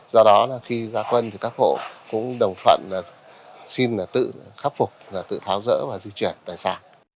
do đó là khi ra quân thì các hộ cũng đồng phận xin là tự khắc phục là tự tháo rỡ và di chuyển tại xã